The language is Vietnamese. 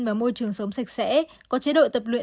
và môi trường sống sạch sẽ có chế độ tập luyện